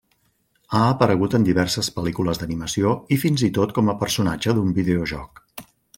Ha aparegut en diverses pel·lícules d'animació i fins i tot com a personatge d'un videojoc.